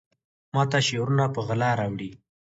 ماته شعرونه په غلا راوړي